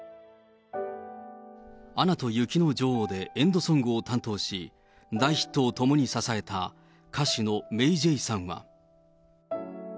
アナと雪の女王でエンドソングを担当し、大ヒットを共に支えた歌手のＭａｙＪ．さんは。